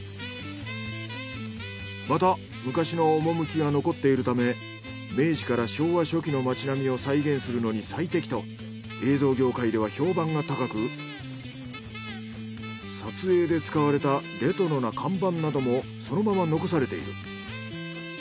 また昔の趣が残っているため明治から昭和初期の街並みを再現するのに最適と映像業界では評判が高く撮影で使われたレトロな看板などもそのまま残されている。